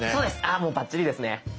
あもうバッチリですね。